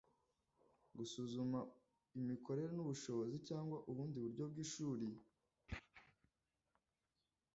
gusuzuma imikorere nubushobozi cyangwa ubundi buryo bwishuri